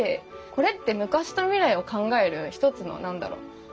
これって昔と未来を考える一つの何だろう交差点というか。